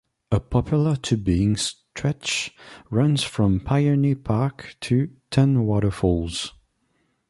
A popular tubing stretch runs from Pioneer Park to Tumwater Falls.